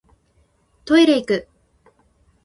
トイレいく